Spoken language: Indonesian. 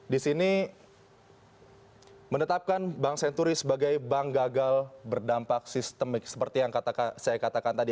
di sini menetapkan bank senturi sebagai bank gagal berdampak sistemik seperti yang saya katakan tadi